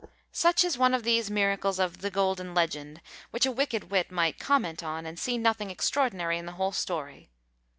Such is one of these miracles of "the Golden Legend," which a wicked wit might comment on, and see nothing extraordinary in the whole story.